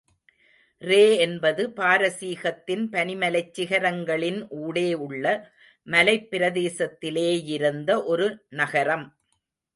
ரே என்பது பாரசீகத்தின் பனிமலைச் சிகரங்களின் ஊடே உள்ள மலைப்பிரதேசத்திலே யிருந்த ஒரு நகரம்.